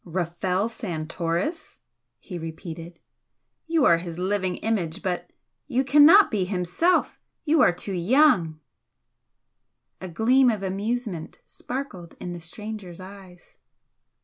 "Rafel Santoris!" he repeated "You are his living image, but you cannot be himself you are too young!" A gleam of amusement sparkled in the stranger's eyes.